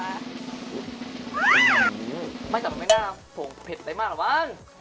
แต่ไม่น่าเพิ่งเผ็ดได้มากหรือบ้าน